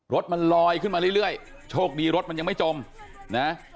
รถมันลอยขึ้นมาเรื่อยโชคดีรถมันยังไม่จมนะ